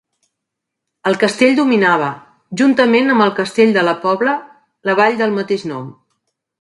El castell dominava, juntament amb el castell de la Pobla, la vall del mateix nom.